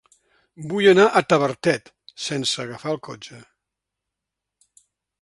Vull anar a Tavertet sense agafar el cotxe.